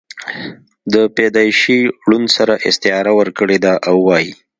دَپيدائشي ړوند سره استعاره ورکړې ده او وائي: